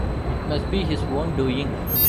It must be his own doing.